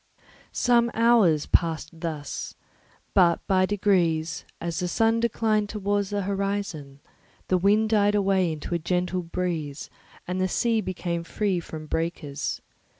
Some hours passed thus; but by degrees, as the sun declined towards the horizon, the wind died away into a gentle breeze and the sea became free from breakers.